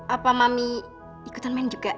apa mami ikutan main juga